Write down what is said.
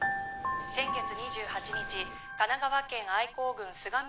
先月２８日神奈川県愛甲郡菅宮